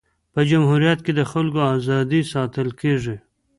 په جمهوریت کي د خلکو ازادي ساتل کيږي.